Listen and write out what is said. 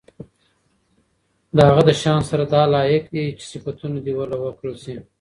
د هغه د شان سره دا لائق دي چې صفتونه دي ورله وکړل شي